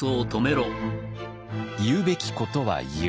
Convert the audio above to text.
言うべきことは言う。